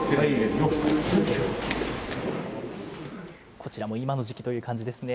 こちらも今の時期という感じですね。